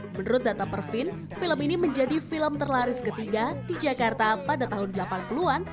menurut data perfin film ini menjadi film terlaris ketiga di jakarta pada tahun delapan puluh an